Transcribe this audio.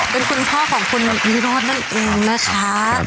เป็นคุณพ่อของคุณวิโรธนั่นเองนะคะ